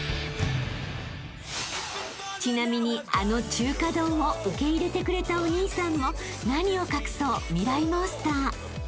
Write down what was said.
［ちなみにあの中華丼を受け入れてくれたお兄さんも何を隠そうミライ☆モンスター］